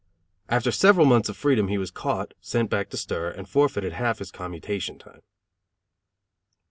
After several months of freedom he was caught, sent back to stir, and forfeited half of his commutation time.